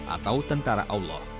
atau tentara allah